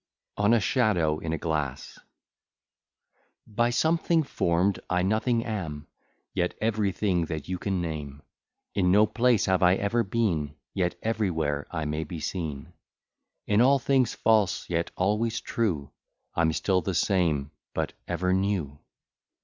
ON A SHADOW IN A GLASS; By something form'd, I nothing am, Yet everything that you can name; In no place have I ever been, Yet everywhere I may be seen; In all things false, yet always true, I'm still the same but ever new.